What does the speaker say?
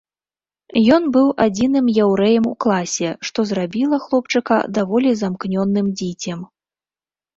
Ён быў адзіным яўрэем у класе, што зрабіла хлопчыка даволі замкнёным дзіцем.